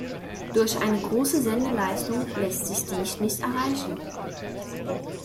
Durch eine große Sendeleistung lässt sich dies nicht erreichen.